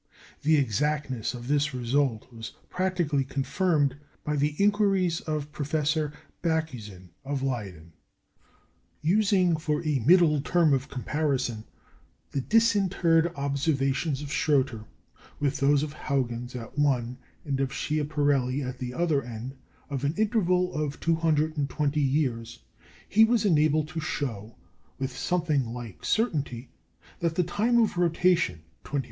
The exactness of this result was practically confirmed by the inquiries of Professor Bakhuyzen of Leyden. Using for a middle term of comparison the disinterred observations of Schröter, with those of Huygens at one, and of Schiaparelli at the other end of an interval of 220 years, he was enabled to show, with something like certainty, that the time of rotation (24h.